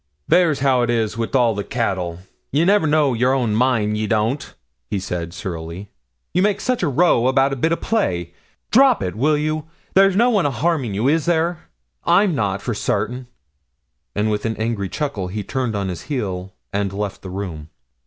'There's how it is wi' all they cattle! You never knows your own mind ye don't,' he said, surlily. 'You make such a row about a bit o' play. Drop it, will you? There's no one a harming you is there? I'm not, for sartain.' And, with an angry chuckle, he turned on his heel, and left the room.